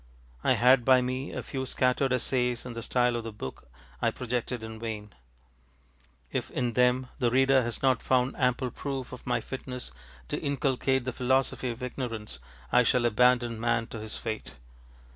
I had by me a few scattered essays in the style of the book I projected in vain. If in them the reader has not found ample proof of my fitness to inculcate the philosophy of Ignorance I shall abandon Man to his fate.